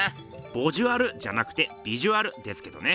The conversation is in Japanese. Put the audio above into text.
ボジュアルじゃなくてビジュアルですけどね。